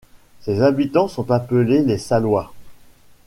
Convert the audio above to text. Ses habitants sont appelés les Sallois.